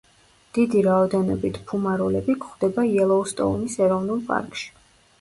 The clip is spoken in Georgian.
დიდი რაოდენობით ფუმაროლები გვხვდება იელოუსტოუნის ეროვნულ პარკში.